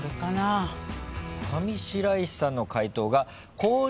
上白石さんの解答が。